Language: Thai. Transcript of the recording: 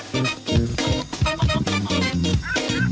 ใหม่กว่าเดิม